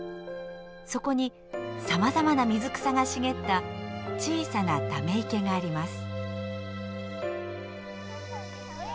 そこにさまざまな水草が茂った小さなため池があります。